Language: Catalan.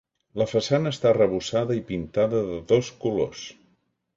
La façana està arrebossada i pintada de dos colors.